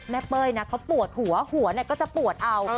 แม่เป้ยนะเขาปวดหัวหัวเนี่ยก็จะปวดเอา